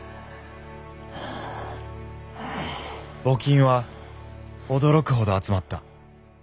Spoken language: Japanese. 募金は驚くほど集まった。